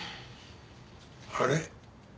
あれ？